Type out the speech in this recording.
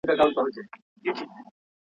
په ډېر جبر په خواریو مي راتله دي.